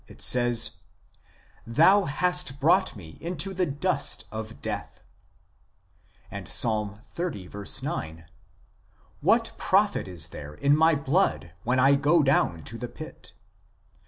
it says : "Thou hast brought me into the dust of death," and Ps. xxx. 9 (10 in Hebr.): "What profit is there in my blood, when I go down to the pit